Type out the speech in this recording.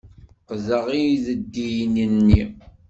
Qqdeɣ ideddiyen-nni.